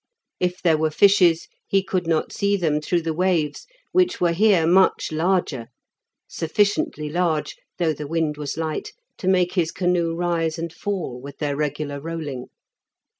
If there were fishes he could not see them through the waves, which were here much larger; sufficiently large, though the wind was light, to make his canoe rise and fall with their regular rolling.